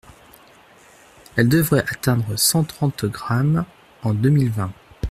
Elle devrait atteindre cent trente grammes en deux mille vingt.